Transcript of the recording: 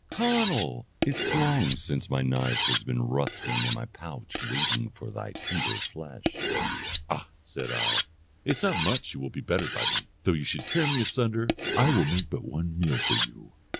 Conall, it's long since my knife has been rusting in my pouch waiting for thy tender flesh.' 'Och!' said I, 'it's not much you will be bettered by me, though you should tear me asunder; I will make but one meal for you.